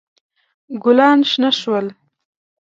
ګلان شنه شول.